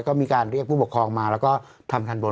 ก็มีการเรียกผู้ปกครองมาแล้วก็ทำทันบน